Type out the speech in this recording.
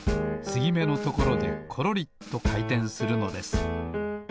つぎめのところでコロリとかいてんするのです。